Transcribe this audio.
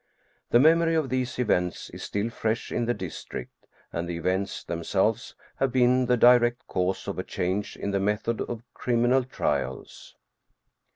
The memory of these events is still fresh in the district, and the events themselves have been the direct cause of a change in the method of criminal trials.